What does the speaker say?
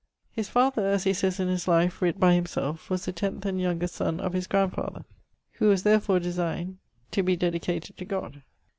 His father (as he says in his life, writt by himselfe) was the tenth and youngest son of his grandfather: who was therfore designed to be dedicated to God.